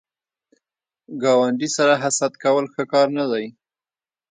ګاونډي سره حسد کول ښه کار نه دی